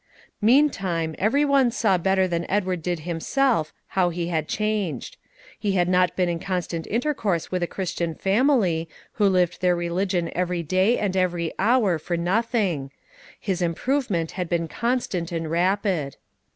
Meantime, every one saw better than did Edward himself how he had changed. He had not been in constant intercourse with a Christian family, who lived their religion every day and every hour, for nothing; his improvement had been constant and rapid.